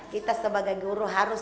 kita sebagai guru harus